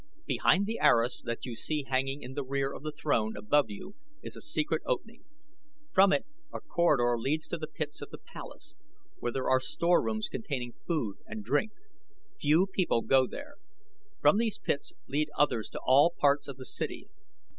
Behind the arras that you see hanging in the rear of the throne above you is a secret opening. From it a corridor leads to the pits of the palace, where there are storerooms containing food and drink. Few people go there. From these pits lead others to all parts of the city.